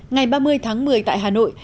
ngày ba mươi tháng một mươi tại hà nội